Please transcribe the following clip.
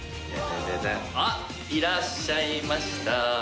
あ、いらっしゃいました。